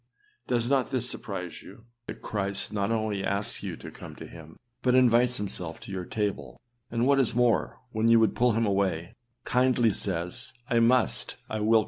â Does not this surprise you, that Christ not only asks you to come to him, but invites himself to your table, and what is more, when you would put him away, kindly says, âI must, I will come in.